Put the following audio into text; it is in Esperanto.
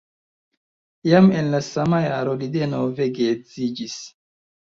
Jam en la sama jaro li denove geedziĝis.